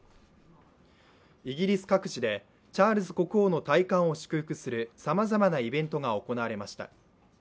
イギリス各地でチャールズ国王の戴冠を祝福するさまざまなイベントが行われました。